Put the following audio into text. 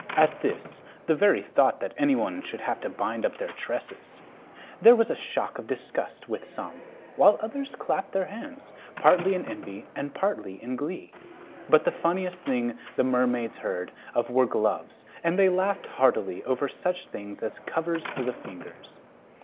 At this the very thought that any one should have to bind up their tresses there was a shock of disgust with some, while others clapped their hands, partly in envy and partly in glee. But the funniest things the mermaids heard of were gloves, and they laughed heartily over such things as covers for the fingers.